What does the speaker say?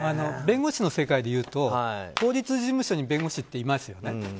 弁護士の世界でいうと法律事務所に弁護士っていますよね。